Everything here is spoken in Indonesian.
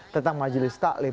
tentang majelis talim